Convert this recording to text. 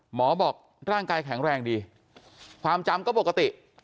หมอบอกร่างกายแข็งแรงดีความจำก็ปกติ